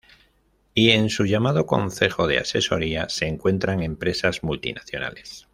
Y en su llamado Concejo de Asesoría se encuentran empresas multinacionales.